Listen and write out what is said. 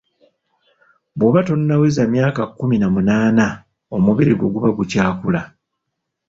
Bw'oba tonnaweza myaka kumi na munaana omubiri gwo guba gukyakula.